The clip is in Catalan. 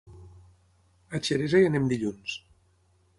A Xeresa hi anem dilluns.